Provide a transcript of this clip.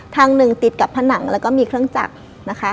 ทางหนึ่งติดกับผนังแล้วก็มีเครื่องจักรนะคะ